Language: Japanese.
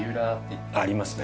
ありますね。